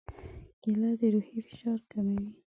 کېله د روحي فشار کموي.